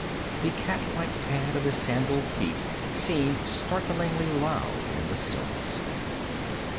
The cat like pad of his sandaled feet seemed startlingly loud in the stillness.